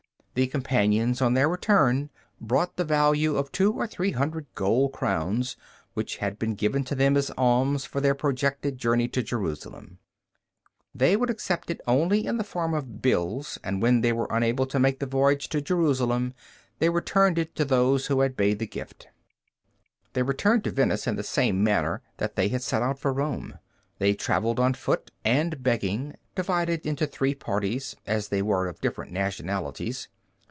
The companions on their return brought the value of two or three hundred gold crowns which had been given to them as alms for their projected journey to Jerusalem. They would accept it only in the form of bills, and when they were unable to make the voyage to Jerusalem they returned it to those who had made the gift. They returned to Venice in the same manner that they had set out for Rome. They traveled on foot and begging, divided into three parties, as they were of different nationalities.